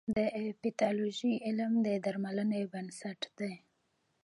د پیتالوژي علم د درملنې بنسټ دی.